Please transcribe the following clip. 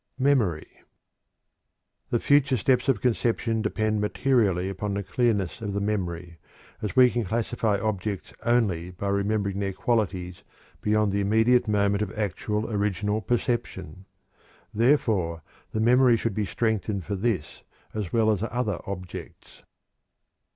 MEMORY. The future steps of conception depend materially upon the clearness of the memory, as we can classify objects only by remembering their qualities beyond the immediate moment of actual, original perception. Therefore, the memory should be strengthened for this as well as other objects.